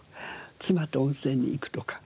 「妻と温泉に行く」とか。